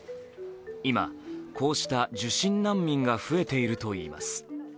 今、こうした受診難民がふえているといいます。